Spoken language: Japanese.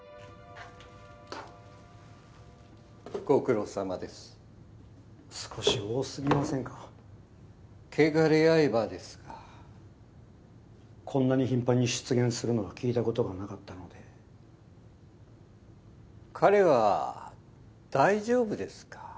ご苦労さまです少し多すぎませんか穢刃ですかこんなに頻繁に出現するのは聞いたことがなかったので彼は大丈夫ですか？